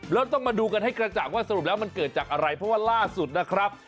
แล้วต้องมาดูกันให้กระจ่างว่าสรุปแล้วมันเกิดจากอะไรเพราะว่าล่าสุดนะครับ